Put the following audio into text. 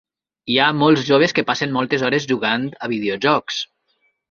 Hi ha molts joves que passen moltes hores jugant a videojocs.